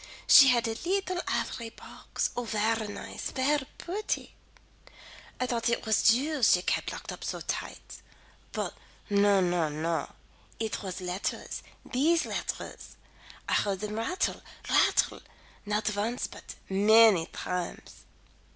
She had a leetle ivory box Oh, ver nice, ver pretty. I thought it was jewels she kept locked up so tight. But, non, non, non. It was letters these letters. I heard them rattle, rattle, not once but many times.